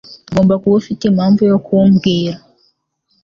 Ugomba kuba ufite impamvu yo kumbwira.